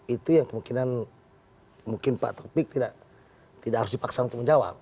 itu yang kemungkinan mungkin pak topik tidak harus dipaksa untuk menjawab